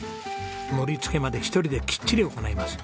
盛り付けまで一人できっちり行います。